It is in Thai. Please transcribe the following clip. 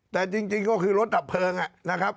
แต่จริงก็คือรถดับเพลิงนะครับ